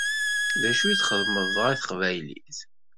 D acu i txedmeḍ dɣa i teqbaylit?